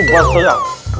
ini buat saya